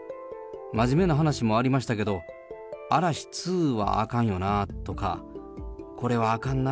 まじめな話もありましたけど、嵐２はあかんよなとか、これはあかんな